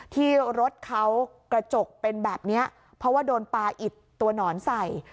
ที่รถเขากระจกเป็นแบบนี้เพราะว่าโดนปลาอิดตัวหนอนใส่